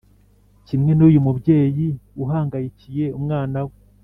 Kimwe n’uyu mubyeyi uhangayikiye umwana we